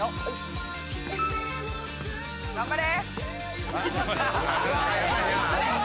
頑張れ。